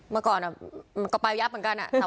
เมื่อก่อนก็ไปยับเหมือนกัน